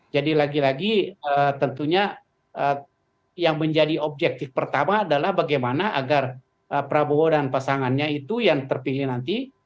jadi lagi lagi tentunya yang menjadi objektif pertama adalah bagaimana agar prabowo dan pasangannya itu yang terpilih nanti